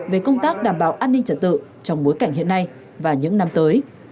về công tác đảm bảo an ninh trật tự trong bối cảnh hiện nay và những năm tới